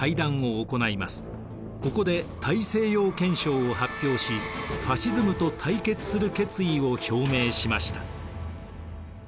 ここで大西洋憲章を発表しファシズムと対決する決意を表明しました。